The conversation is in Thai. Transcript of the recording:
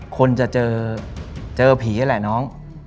คนจะเจอผีนั่นแหละน้อง